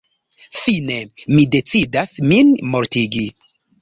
Fine mi decidas min mortigi.